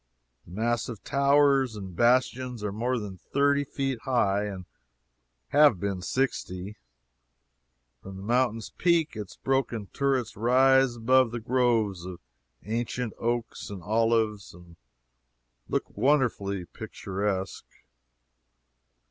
The massive towers and bastions are more than thirty feet high, and have been sixty. From the mountain's peak its broken turrets rise above the groves of ancient oaks and olives, and look wonderfully picturesque.